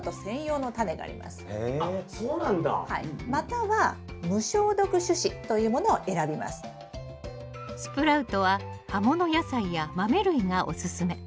またはスプラウトは葉もの野菜や豆類がおすすめ。